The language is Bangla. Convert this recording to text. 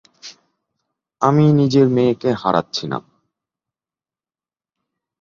আমি নিজের মেয়েকে হারাচ্ছি না।